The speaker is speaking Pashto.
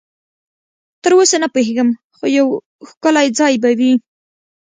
تراوسه نه پوهېږم، خو یو ښکلی ځای به وي.